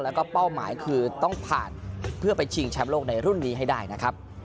แล้วก็เป้าหมายคือต้องผ่านเพื่อไปชิงแชมป์โลกในรุ่นนี้ให้ได้นะครับ